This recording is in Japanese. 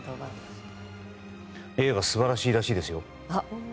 映画、素晴らしいらしいですよ。